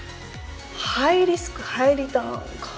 ハイリスクハイリターンか。